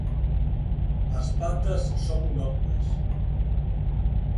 As patas son longas.